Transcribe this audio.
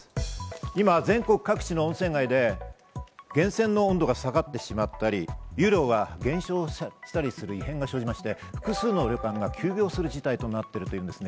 今、全国各地の温泉街で源泉の温度が下がってしまったり、湯量が減少したりするなどの異変が起きまして、複数の旅館が休業する状態となっているんですね。